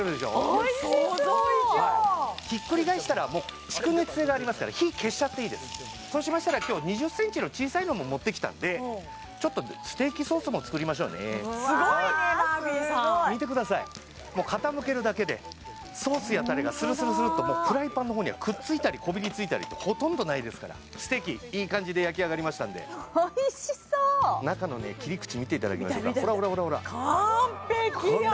おいしそう想像以上ひっくり返したらもう蓄熱性がありますから火消しちゃっていいですそうしましたら今日２０ｃｍの小さいのも持ってきたんでちょっとステーキソースも作りましょうねすごいねマーフィーさんうわーすごい見てくださいもう傾けるだけでソースやタレがスルスルっともうフライパンのほうにはくっついたりこびりついたりほとんどないですからステーキいい感じで焼き上がりましたのでおいしそう中のね切り口見ていただきましょうかほらほらほら完璧やん！